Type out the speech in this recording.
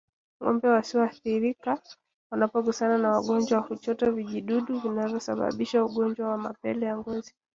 Ngombe wasioathirika wanapogusana na wagonjwa huchota vijidudu vinavyosababisha ugonjwa wa mapele ya ngozi